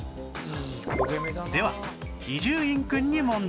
では伊集院くんに問題